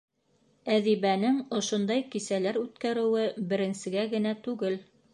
Әҙибәнең ошондай кисәләр үткәреүе беренсегә генә түгел.